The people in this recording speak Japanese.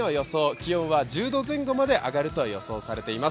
気温は１０度前後まで上がると予想されています。